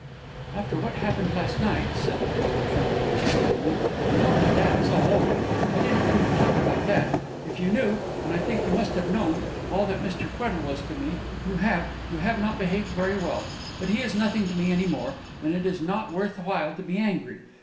"After what happened last night," said Matilda, trembling exceedingly, "you know that that is all over. I didn't come to talk about that. If you knew and I think you must have known all that Mr. Tweddle was to me, you have you have not behaved very well; but he is nothing to me any more, and it is not worth while to be angry.